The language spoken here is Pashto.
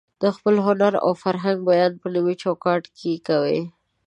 د خپل هنر او فرهنګ بیان په نوي چوکاټ کې کوي.